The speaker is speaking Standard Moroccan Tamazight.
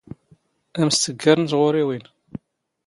ⴰⵎⵙⵜⴳⴳⴰⵔ ⵏ ⵜⵖⵓⵔⵉⵡⵉⵏ.